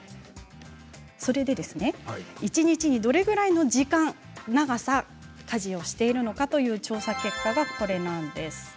それで一日どのぐらいの時間長さ、家事をしているのかという調査結果がこれなんです。